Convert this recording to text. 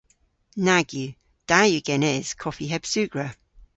Nag yw. Da yw genes koffi heb sugra.